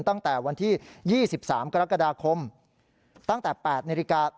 ตั้งแต่วันที่๒๓กรกฎาคมตั้งแต่๘นาฬิกา